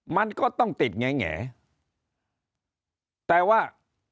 มันก็ต้องติดไงแหนล่ะ